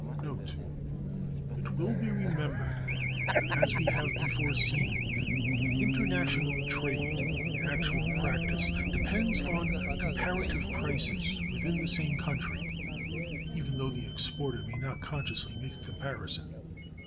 It will be remembered that, as we have before seen, international trade, in actual practice, depends on comparative prices within the same country (even though the exporter may not consciously make a comparison).